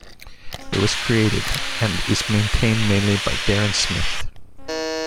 It was created and is maintained mainly by Darren Smith.